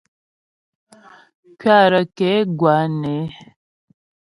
Kuatə ke gwǎ né.